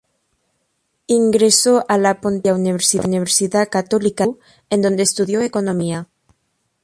Ingresó a la Pontificia Universidad Católica del Perú, en donde estudió Economía.